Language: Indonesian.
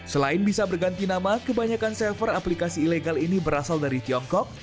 selain bisa berganti nama kebanyakan server aplikasi ilegal ini berasal dari tiongkok